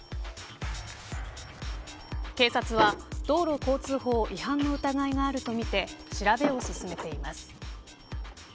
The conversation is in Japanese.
警察は道路交通法違反の疑いがあるとみて調べを進めています。